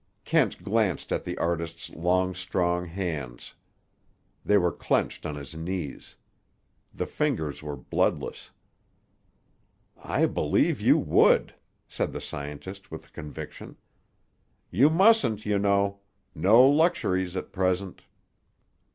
Kent glanced at the artist's long strong hands. They were clenched on his knees. The fingers were bloodless. "I believe you would," said the scientist with conviction. "You mustn't, you know. No luxuries, at present."